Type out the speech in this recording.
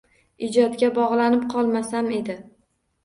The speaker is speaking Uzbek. Ijodga bog‘lanib qolmasam edi.